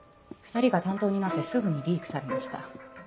２人が担当になってすぐにリークされました。